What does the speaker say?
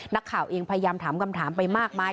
นักข่าวเองพยายามถามคำถามไปมากมาย